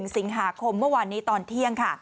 ๒๙๓๐๓๑๑สิงหาคมเมื่อวันนี้ตอนเที่ยง